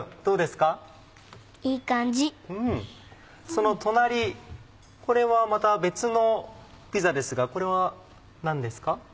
その隣これはまた別のピザですがこれは何ですか？